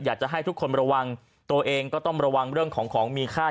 อยากจะให้ทุกคนระวังตัวเองก็ต้องระวังเรื่องของของมีค่า